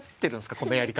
このやり方。